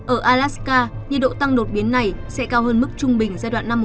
ở alaska nhiệt độ tăng đột biến này sẽ cao hơn mức trung bình